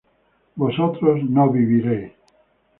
vosotros no viviréis